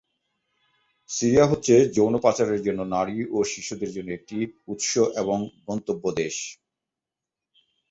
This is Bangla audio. সিরিয়া হচ্ছে যৌন পাচারের জন্য নারী ও শিশুদের জন্য একটি উৎস এবং গন্তব্য দেশ।